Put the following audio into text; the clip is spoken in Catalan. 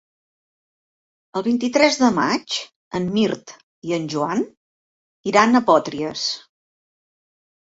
El vint-i-tres de maig en Mirt i en Joan iran a Potries.